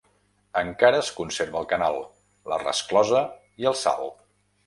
Encara es conserva el canal, la resclosa i el salt.